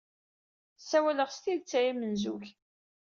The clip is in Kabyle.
Ssawaleɣ s tidet, a amenzug!